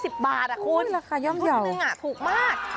๒๐บาทคุณชุดหนึ่งถูกมาก